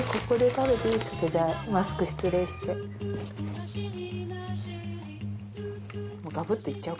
ここで食べていい？